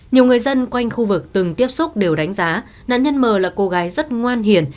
nhiều người dân quanh khu vực từng tiếp xúc đều đánh giá nạn nhân m là cô gái rất ngoan hiền